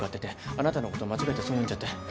あなたのこと間違えてそう呼んじゃって。